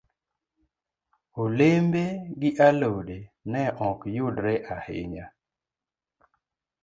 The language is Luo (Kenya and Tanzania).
Olembe gi alode ne ok yudre ahinya.